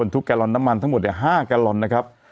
ทุกแกลอนน้ำมันทั้งหมด๕แกลลอนนะครับ